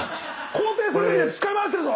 肯定するときの使い回してるぞ！